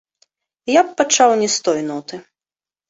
Я б пачаў не з той ноты.